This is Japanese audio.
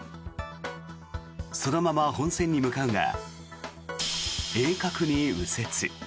そのまま本線に向かうが鋭角に右折。